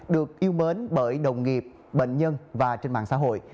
được yêu mến bởi đồng nghiệp bệnh nhân và trên mạng xã hội